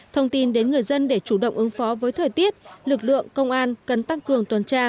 thông tin đến người dân để chủ động ứng phó với thời tiết lực lượng công an cần tăng cường tuần tra